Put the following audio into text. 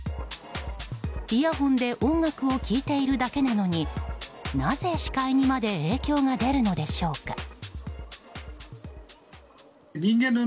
イヤホンで音楽を聴いているだけなのになぜ視界にまで影響が出るのでしょうか。